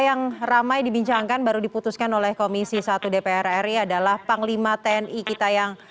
yang ramai dibincangkan baru diputuskan oleh komisi satu dpr ri adalah panglima tni kita yang